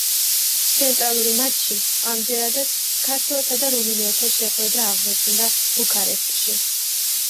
ცენტრალური მატჩი ამჯერადაც ქართველთა და რუმინელთა შეხვედრა აღმოჩნდა ბუქარესტში.